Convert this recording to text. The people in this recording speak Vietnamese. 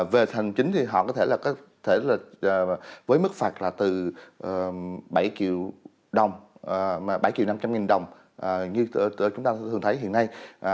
về hành chính thì họ có thể là có thể với mức phạt là từ bảy triệu đồng bảy triệu năm trăm linh nghìn đồng như chúng ta thường thấy hiện nay